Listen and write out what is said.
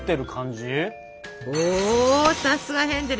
おさすがヘンゼル！